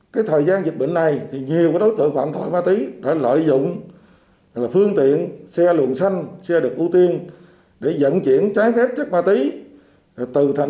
điều đang nói nhiều đối tượng vẫn ngang nhiên tụ tập ca hát và sử dụng trái phép chân ma túy